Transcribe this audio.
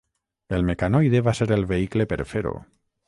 El mecanoide va ser el vehicle per fer-ho.